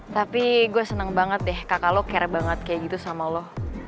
tapi gue senang banget deh kakak lo kere banget kayak gitu sama lo